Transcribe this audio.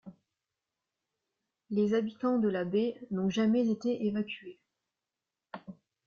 Les habitants de la baie n'ont jamais été évacués.